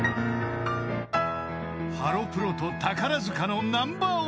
［ハロプロと宝塚のナンバーワン対決］